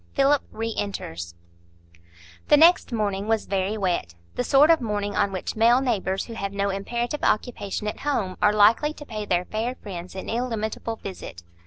Philip Re enters The next morning was very wet,—the sort of morning on which male neighbours who have no imperative occupation at home are likely to pay their fair friends an illimitable visit.